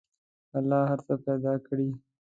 الله هر څه پیدا کړي.